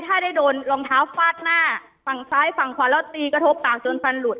ถ้าได้โดนรองเท้าฟาดหน้าฝั่งซ้ายฝั่งขวาแล้วตีกระทบปากจนฟันหลุด